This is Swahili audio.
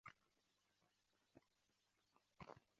Wakazi wake ni Wachagga.